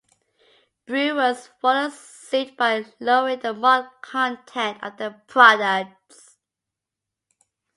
Brewers followed suit by lowering the malt content of their products.